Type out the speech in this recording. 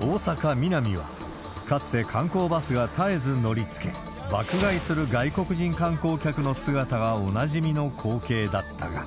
大阪・ミナミは、かつて観光バスが絶えず乗りつけ、爆買いする外国人観光客の姿がおなじみの光景だったが。